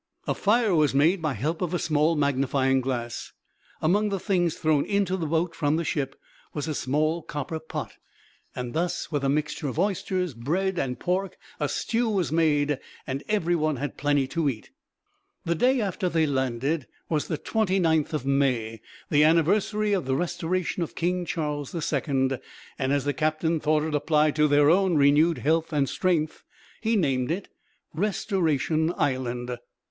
A fire was made by help of a small magnifying glass. Among the things thrown into the boat from the ship was a small copper pot; and thus with a mixture of oysters, bread, and pork a stew was made, and every one had plenty to eat. The day after they landed was the 29th of May, the anniversary of the restoration of King Charles II, and as the captain thought it applied to their own renewed health and strength, he named it Restoration Island.